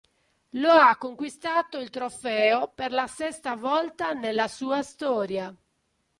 Lo ha conquistato il trofeo per la sesta volta nella sua storia.